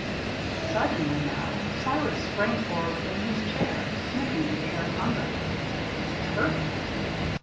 Suddenly, now, Cyrus sprang forward in his chair, sniffing the air hungrily. Turkey!